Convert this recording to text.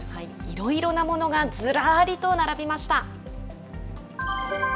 いろいろなものがずらりと並びました。